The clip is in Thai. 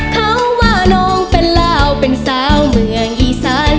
เขาว่าน้องเป็นลาวเป็นสาวเมืองอีสาน